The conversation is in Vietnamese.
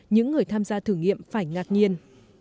những người tham gia thử nghiệm phải ngạc nhiên